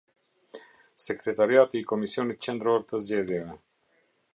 Sekretariati i Komisionit Qendror të Zgjedhjeve.